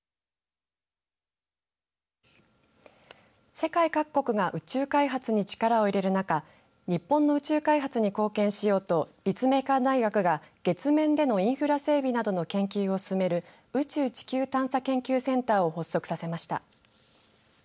世界各国が宇宙開発に力を入れる中日本の宇宙開発に貢献しようと立命館大学が月面でのインフラ整備などの研究を進める宇宙地球調査研究センターを発足させました。